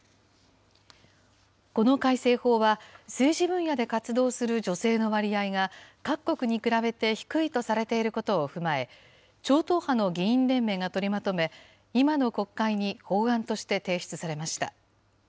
この改正法は、政治分野で活動する女性の割合が、各国に比べて低いとされていることを踏まえ、超党派の議員連盟が取りまとめ、今の国会に法案として提出されました。